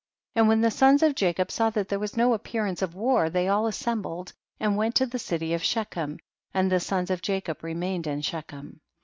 29. And when the sons of Jacob saw that there was no appearance of war, they all assembled and went to the city of Shechem, and the sons of Jacob remained in Shechem.